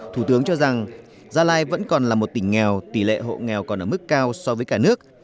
thủ tướng cho rằng gia lai vẫn còn là một tỉnh nghèo tỷ lệ hộ nghèo còn ở mức cao so với cả nước